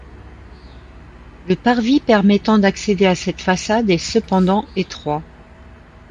Le parvis permettant d'accéder à cette façade est cependant étroit.